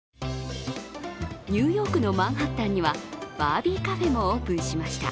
ニューヨークのマンハッタンには、バービーカフェもオープンしました。